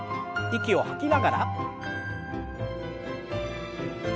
息を吐きながら。